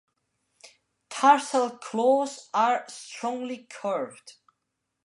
Tarsal claws are strongly curved.